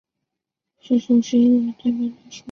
市树是一个城市的代表树木。